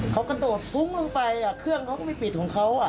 เขากระโดดฟุ้งลงไปเครื่องเขาก็ไม่ปิดของเขา